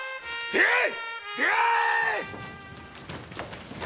出会え！